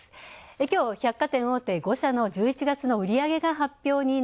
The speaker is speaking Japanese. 今日、百貨店大手５社の１１月の売り上げが発表。